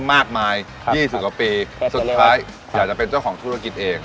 สุดท้ายอยากจะเป็นเจ้าของธุรกิจเอง